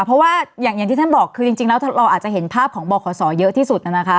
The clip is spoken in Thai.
เพราะว่าอย่างที่ท่านบอกคือจริงแล้วเราอาจจะเห็นภาพของบขเยอะที่สุดนะคะ